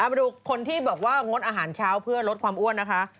มาดูคนที่บอกว่างดอาหารเช้าเพื่อลดความอ้วนนะคะ